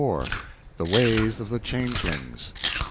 The Ways of the Changelings.